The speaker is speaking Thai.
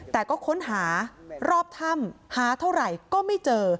แต่ก็ค้นหารอบถ้ำหาเท่าไหร่ก็ไม่เจอ